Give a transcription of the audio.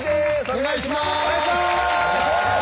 お願いします。